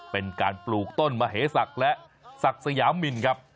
เป็นการปลูกต้นมเหศักดิ์และศักดิ์สยามินครับ